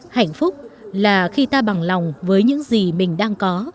hạnh phúc là khi ta bằng lòng với những gì mình đang có